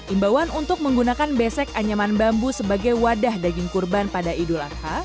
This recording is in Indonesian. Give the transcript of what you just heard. imbauan untuk menggunakan besek anyaman bambu sebagai wadah daging kurban pada idul adha